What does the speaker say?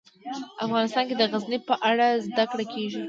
افغانستان کې د غزني په اړه زده کړه کېږي.